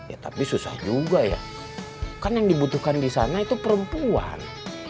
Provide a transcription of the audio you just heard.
ya tapi susah juga ya kan yang dibutuhkan di sana itu perempuan